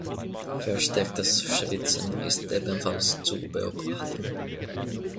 Verstärktes Schwitzen ist ebenfalls zu beobachten.